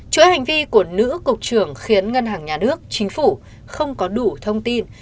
chuỗi hành vi của nữ cục trưởng khiến ngân hàng nhà nước chính phủ không có đủ thông tin